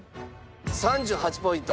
３８ポイント。